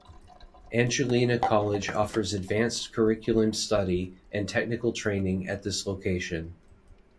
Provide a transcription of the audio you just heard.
Angelina College offers advanced curriculum study and technical training at this location.